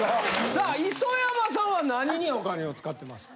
さあ磯山さんは何にお金を使ってますか？